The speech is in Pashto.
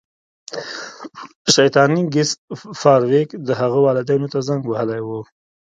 شیطاني ګس فارویک د هغه والدینو ته زنګ وهلی و